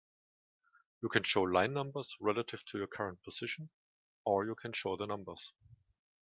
You can show line numbers relative to your current position, or you can show the numbers.